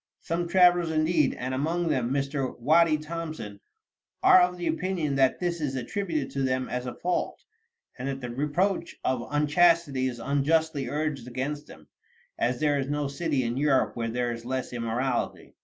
Some travelers, indeed, and among them Mr. Waddy Thompson, are of opinion that this is attributed to them as a fault, and that the reproach of unchastity is unjustly urged against them, as there is no city in Europe where there is less immorality.